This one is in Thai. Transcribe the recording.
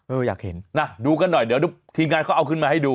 อยากเห็นนะดูกันหน่อยเดี๋ยวทีมงานเขาเอาขึ้นมาให้ดู